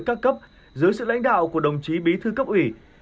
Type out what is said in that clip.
các cấp dưới sự lãnh đạo của đồng chí bí thư cấp ủy